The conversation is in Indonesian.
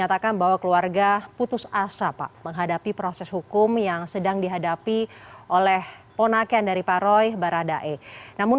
apakah mendapatkan secerca harapan mengenai proses hukum